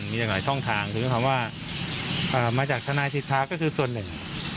มีหลากหลายช่องทางคือคำว่ามาจากทนายสิทธาก็คือส่วนหนึ่ง